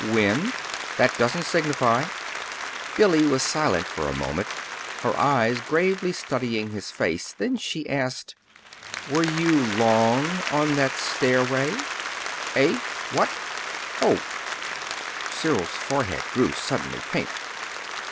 "When?" "That doesn't signify." Billy was silent for a moment, her eyes gravely studying his face. Then she asked: "Were you long on that stairway?" "Eh? What? Oh!" Cyril's forehead grew suddenly pink.